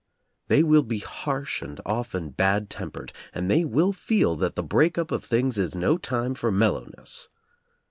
They will be harsh and often bad tempered, and they will feel that the break up of things is no time for mellowness.